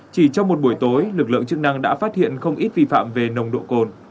chỉ trong một buổi tối lực lượng chức năng đã phát hiện không ít vi phạm về nồng độ cồn